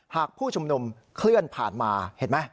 ผู้ชุมนุมเคลื่อนผ่านมาเห็นไหม